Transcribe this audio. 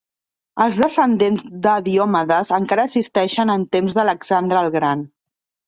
Els descendents de Diomedes encara existien en temps d'Alexandre el Gran.